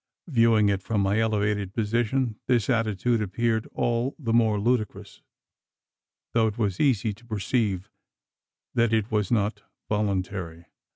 Viewing it from my elevated position, this attitude appeared all the more ludicrous; though it was easy to perceive that it was not voluntary.